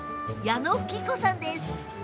矢野ふき子さんです。